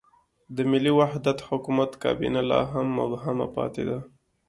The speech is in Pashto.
د ملي وحدت حکومت کابینه لا هم مبهمه پاتې ده.